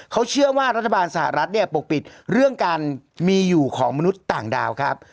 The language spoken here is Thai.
เขาเชื่อว่ารัฐบาลสหรัฐเนี่ยปกปิดเรื่องการมีอยู่ของมนุษย์ต่างดาวครับ